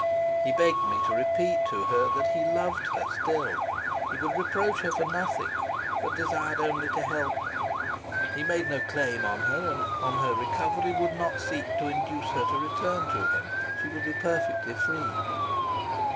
He begged me to repeat to her that he loved her still; he would reproach her for nothing, but desired only to help her; he made no claim on her, and on her recovery would not seek to induce her to return to him; she would be perfectly free.